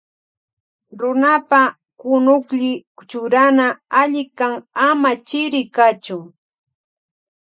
Runapa kunuklli churana alli kan ama chiri kachun.